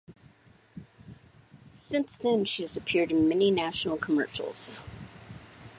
Since then she has appeared in many national commercials.